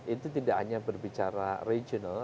itu tidak hanya berbicara regional